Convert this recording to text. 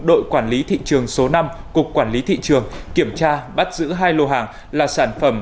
đội quản lý thị trường số năm cục quản lý thị trường kiểm tra bắt giữ hai lô hàng là sản phẩm